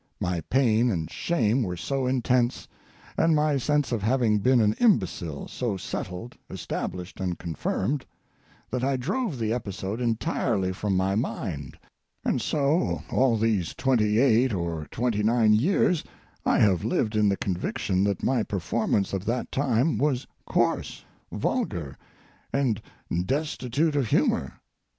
My pain and shame were so intense, and my sense of having been an imbecile so settled, established and confirmed, that I drove the episode entirely from my mind and so all these twenty eight or twenty nine years I have lived in the conviction that my performance of that time was coarse, vulgar, and destitute of humor.